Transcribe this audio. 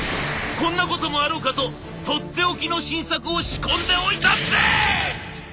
こんなこともあろうかととっておきの新作を仕込んでおいたＺ！」。